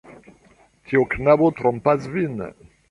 Tiu knabo trompas vin.